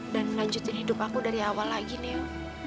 dan melanjutin hidup aku dari awal lagi neo